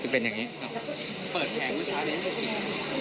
เป็นอย่างนี้